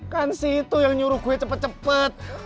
kan si itu yang nyuruh gue cepet cepet